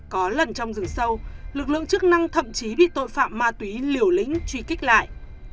có lần trong rừng sâu lực lượng chức năng thậm chí bị tội phạm ma túy liều lĩnh truy kích lại